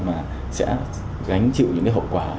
mà sẽ gánh chịu những hậu quả